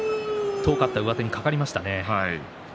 遠かった上手にかかりましたね。